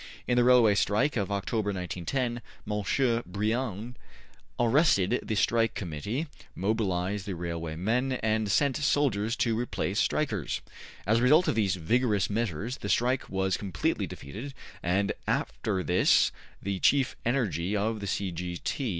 In the railway strike of October, 1910, Monsieur Briand arrested the Strike Committee, mobilized the railway men and sent soldiers to replace strikers. As a result of these vigorous measures the strike was completely defeated, and after this the chief energy of the C. G. T.